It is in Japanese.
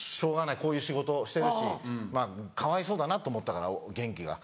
こういう仕事してるしかわいそうだなと思ったから元輝が。